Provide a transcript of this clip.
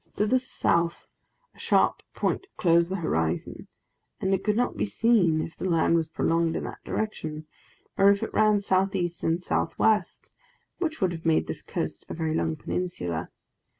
To the south a sharp point closed the horizon, and it could not be seen if the land was prolonged in that direction, or if it ran southeast and southwest, which would have made this coast a very long peninsula.